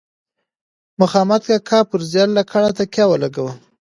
مخامد کاکا پر زیړه لکړه تکیه ولګوه.